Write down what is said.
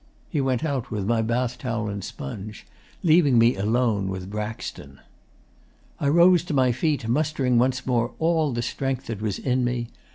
He went out with my bath towel and sponge, leaving me alone with Braxton. 'I rose to my feet, mustering once more all the strength that was in me.